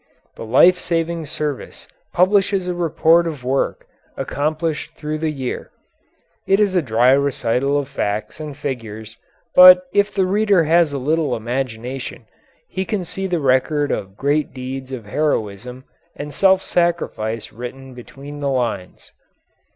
The Life Saving Service publishes a report of work accomplished through the year. It is a dry recital of facts and figures, but if the reader has a little imagination he can see the record of great deeds of heroism and self sacrifice written between the lines.